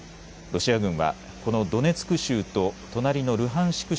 ロシア軍はこのドネツク州と隣のルハンシク